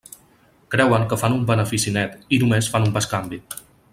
Creuen que fan un benefici net, i només fan un bescanvi.